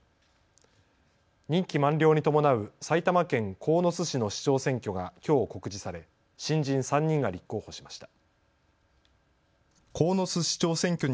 任期満了に伴う埼玉県鴻巣市の市長選挙がきょう告示され新人３人が立候補しました。